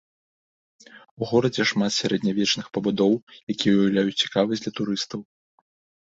У горадзе шмат сярэднявечных пабудоў, якія ўяўляюць цікавасць для турыстаў.